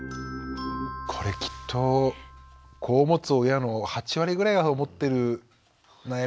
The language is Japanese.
これきっと子を持つ親の８割ぐらいは思ってる悩みかもしれませんよね。